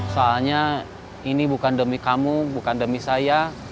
soalnya ini bukan demi kamu bukan demi saya